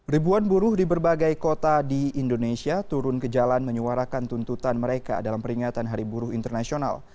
ribuan buruh di berbagai kota di indonesia turun ke jalan menyuarakan tuntutan mereka dalam peringatan hari buruh internasional